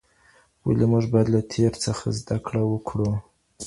ولي موږ بايد له تېر څخه زده کړه وکړو؟